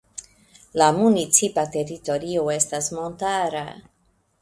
La municipa teritorio estas montara.